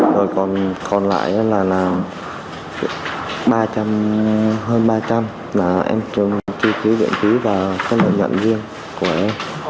rồi còn lại là ba trăm linh hơn ba trăm linh là em trừ chi phí viện phí và các lợi nhận riêng của em